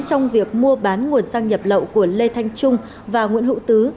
trong việc mua bán nguồn xăng nhập lậu của lê thanh trung và nguyễn hữu tứ